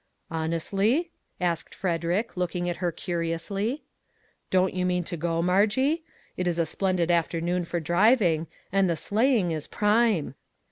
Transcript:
" Honestly ?" asked Frederick, looking at her curiously, " Don't you mean to go, Margie ? It is a splendid afternoon for driving, and the sleighing is prime.